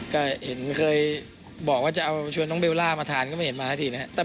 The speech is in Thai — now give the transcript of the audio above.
ก็เห็นเคยบอกว่าจะเอาชวนน้องเบลล่ามาทานก็ไม่เห็นมาสักทีนะครับ